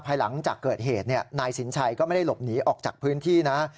หลังจากเกิดเหตุนายสินชัยก็ไม่ได้หลบหนีออกจากพื้นที่นะ